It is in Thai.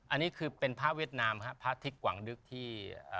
อันนี้คือเป็นพระเวียดนามครับพระทิตยหวังดึกที่